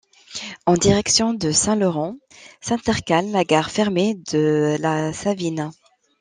En direction de Saint-Laurent, s'intercale la gare fermée de La Savine.